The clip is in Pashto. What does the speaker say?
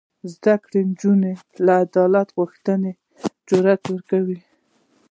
زده کړه نجونو ته د عدالت غوښتنې جرات ورکوي.